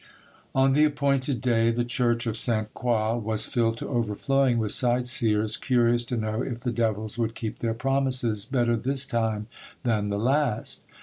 On the appointed day the church of Sainte Croix was filled to overflowing with sightseers curious to know if the devils would keep their promises better this time than the last.